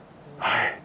はい。